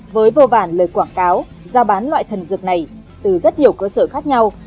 với vô vàn lời quảng cáo giao bán loại thần dược này từ rất nhiều cơ sở khác nhau